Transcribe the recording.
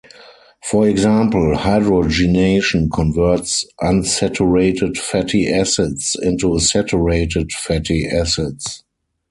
For example, hydrogenation converts unsaturated fatty acids into saturated fatty acids.